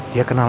dia kenal adi